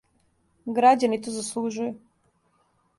Грађани то заслужују.